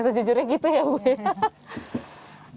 sejujurnya gitu ya bu ya